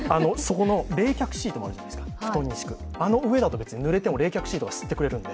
冷却シートがあるじゃないですか、布団に敷く、あの上だとぬれても冷却シートが吸ってくれるんで。